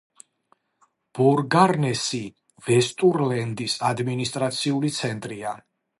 ბორგარნესი ვესტურლენდის ადმინისტრაციული ცენტრია.